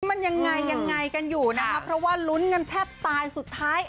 มันยังไงยังไงกันอยู่นะคะเพราะว่าลุ้นกันแทบตายสุดท้าย